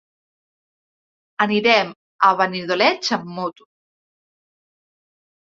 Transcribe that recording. Anirem a Benidoleig amb moto.